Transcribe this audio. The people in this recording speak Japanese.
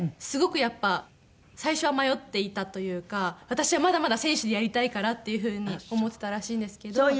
すごくやっぱり最初は迷っていたというか私はまだまだ選手でやりたいからっていうふうに思っていたらしいんですけど。